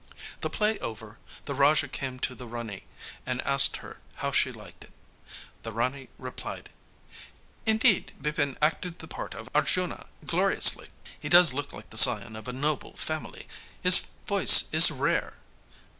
The play over, the Raja came to the Rani and asked her how she liked it. The Rani replied: 'Indeed, Bipin acted the part of "Arjuna" gloriously! He does look like the scion of a noble family. His voice is rare!'